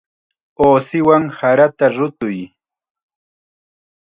Uusiwan sarata rutuy.